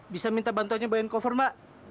bisa minta bantuan nya bayangin cover mbak